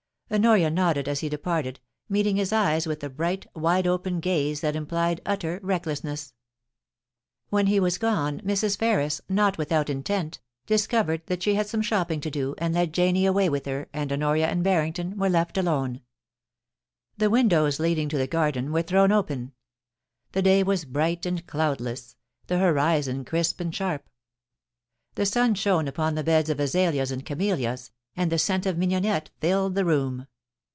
Honoria nodded as he departed, meeting his eyes with a bright, wide open gaze that implied utter recklessness. When he was gone, Mrs, Ferris, not without intent, dis 246 POLICY AND PASSIOX. covered that she had some shopping to do, and led Janie away with her, and Honoria and Barrington were left alone. The windows leading to the garden were thrown open. The day was bright and cloudless, the horizon crisp and sharp ; the sun shone upon the beds of azaleas and camellias, and the scent of mignonette filled the room.